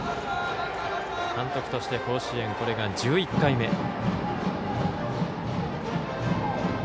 監督として甲子園これが１１回目。